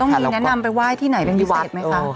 มีแนะนำไปไหว้ที่ไหนเป็นพิเศษไหมคะ